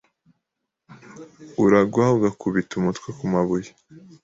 Aragwa, agakubita umutwe ku mabuye